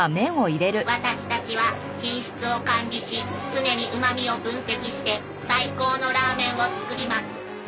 ワタシたちは品質を管理し常にうまみを分析して最高のラーメンを作ります。